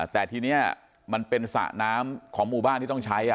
แต่ทีนี้มันเป็นสระน้ำของหมู่บ้านที่ต้องใช้